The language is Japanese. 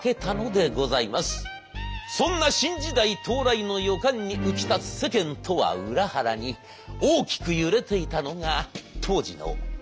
そんな新時代到来の予感に浮き立つ世間とは裏腹に大きく揺れていたのが当時の凸版印刷。